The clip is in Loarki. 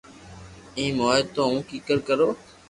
ايم ھوئي تو ھون ڪيڪر ڪرو